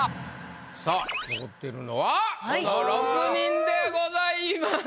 さぁ残ってるのはこの６人でございます。